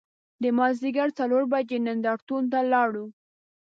د مازدیګر څلور بجې نندار تون ته لاړو.